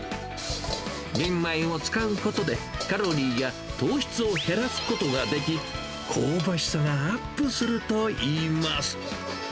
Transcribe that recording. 玄米を使うことで、カロリーや糖質を減らすことができ、香ばしさがアップするといいます。